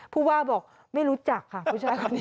ผู้ว่าบอกไม่รู้จักค่ะผู้ชายคนนี้